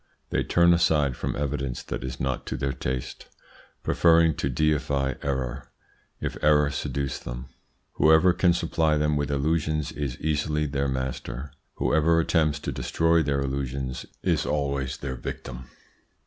They turn aside from evidence that is not to their taste, preferring to deify error, if error seduce them. Whoever can supply them with illusions is easily their master; whoever attempts to destroy their illusions is always their victim.